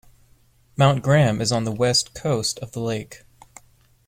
Mount Graham is on the west coast of the lake.